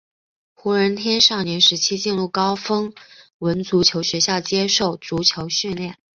胡人天少年时期进入高丰文足球学校接受足球训练。